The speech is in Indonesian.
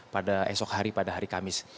pada esok hari pada hari kamis